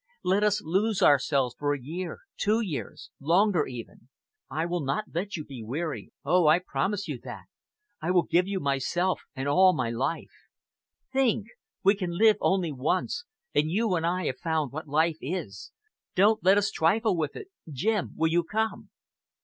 Let us lose ourselves for a year, two years longer even. I will not let you be weary! Oh! I promise you that. I will give you myself and all my life. Think! We can only live once, and you and I have found what life is. Don't let us trifle with it. Jim, will you come?"